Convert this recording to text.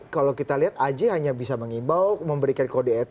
kalau kita lihat aji hanya bisa mengimbau memberikan kode etik